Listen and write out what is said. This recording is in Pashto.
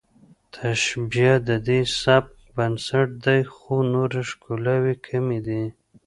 تشبیه د دې سبک بنسټ دی خو نورې ښکلاوې کمې دي